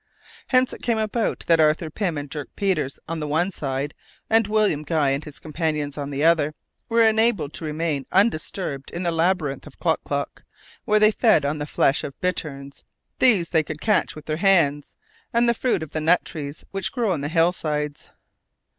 Hence it came about that Arthur Pym and Dirk Peters on the one side, and William Guy and his companions on the other, were enabled to remain undisturbed in the labyrinths of Klock Klock, where they fed on the flesh of bitterns these they could catch with their hands and the fruit of the nut trees which grow on the hill sides.